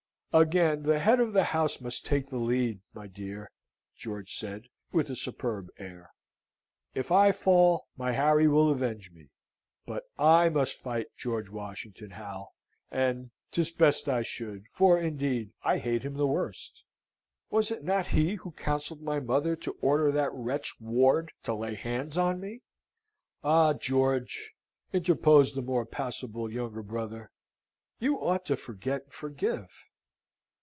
"Again the head of the house must take the lead, my dear," George said, with a superb air. "If I fall, my Harry will avenge me. But I must fight George Washington, Hal: and 'tis best I should; for, indeed, I hate him the worst. Was it not he who counselled my mother to order that wretch, Ward, to lay hands on me?" "Ah, George," interposed the more pacable younger brother, "you ought to forget and forgive."